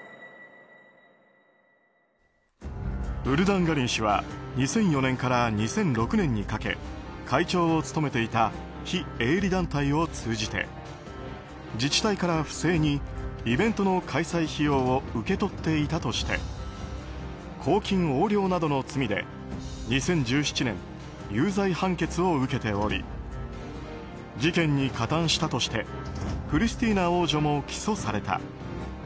ウルダンガリン氏は２００４年から２００６年にかけ会長を務めていた非営利団体を通じて自治体から不正にイベントの開催費用を受け取っていたとして公金横領などの罪で、２０１７年有罪判決を受けており事件に加担したとしてクリスティーナ王女も起訴された。